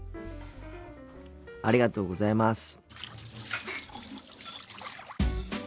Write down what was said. ありがとうございます。